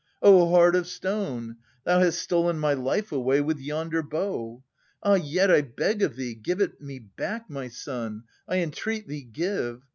O heart of stone, thou hast stolen my life away With yonder bow I — Ah, yet I beg of thee, Give it me back, my son, I entreat thee, give